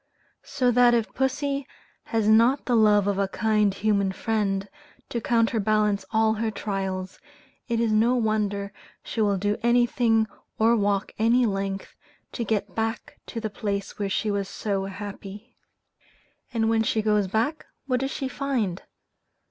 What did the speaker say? So that if pussy has not the love of a kind human friend, to counterbalance all her trials, it is no wonder she will do anything or walk any length, to get back to the place where she was so happy. And when she goes back, what does she find?